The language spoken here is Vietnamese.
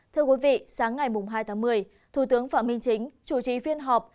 thưa quý vị sáng ngày hai tháng một mươi thủ tướng phạm minh chính chủ trì phiên họp